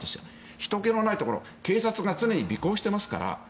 ひとけのないところは警察が常に尾行していますから。